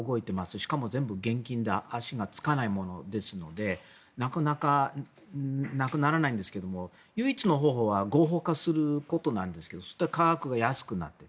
しかも全部、現金で足がつかないものですのでなかなかなくならないんですが唯一の方法は合法化することなんですがそうすると価格が安くなって。